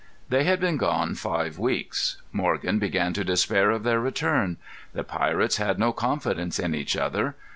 They had been gone five weeks. Morgan began to despair of their return. The pirates had no confidence in each other.